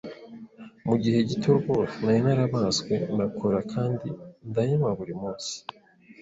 Mu gihe gito, rwose nari narabaswe na cola kandi ndayinywa buri munsi.